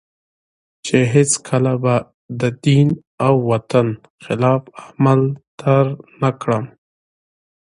چي هیڅکله به د دین او وطن خلاف عمل تر نه کړم